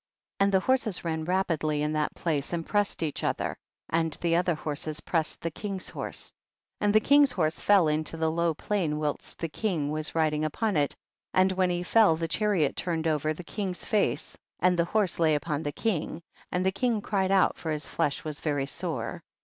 43. And the horses ran rapidly in that place and pressed each other, and the other horses pressed the king's horse. 44. And the king's horse fell into the low plain whilst the king was riding upon it, and when he fell the chariot turned over the king's face and the horse lay upon the king, and the king cried out, for his flesh was very sore.